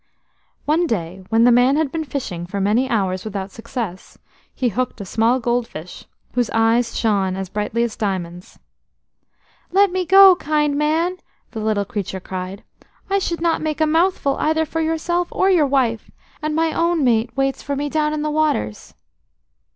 One day when the man had been fishing for many hours without success, he hooked a small gold fish, whose eyes shone as brightly as diamonds. "Let me go, kind man," the little creature cried. "I should not make a mouthful either for yourself or your wife, and my own mate waits for me down in the waters."